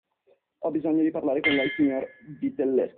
Ho bisogno di parlare con lei, signor Vitelleschi.